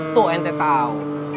tuh ente tau